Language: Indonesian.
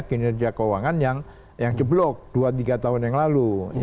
kinerja keuangan yang jeblok dua tiga tahun yang lalu